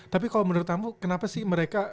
tapi kalau menurut kamu kenapa sih mereka